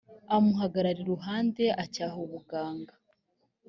amuhagarara iruhande acyaha ubuganga